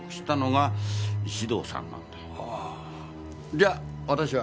じゃあ私は。